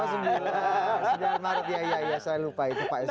oh sembilan sembilan maret ya ya ya saya lupa itu pak s sembilan